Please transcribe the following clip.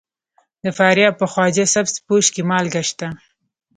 د فاریاب په خواجه سبز پوش کې مالګه شته.